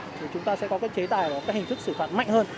thì chúng ta sẽ có các chế tài và các hình thức xử thoạt mạnh hơn